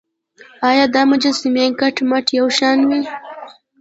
ایا دا مجسمې کټ مټ یو شان وې.